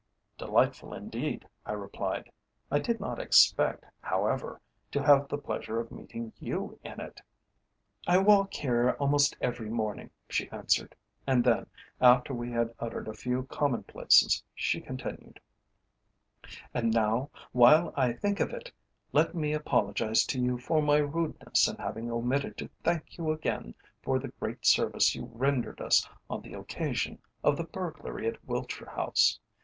"Delightful indeed," I replied. "I did not expect, however, to have the pleasure of meeting you in it." "I walk here almost every morning," she answered. And then, after we had uttered a few commonplaces, she continued: "And now, while I think of it, let me apologize to you for my rudeness in having omitted to thank you again for the great service you rendered us on the occasion of the burglary at Wiltshire House.